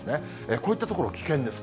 こういった所、危険です。